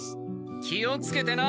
気をつけてな！